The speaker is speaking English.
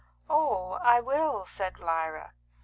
"Oh, I will," said Lyra.